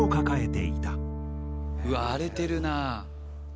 うわっ荒れてるなあ。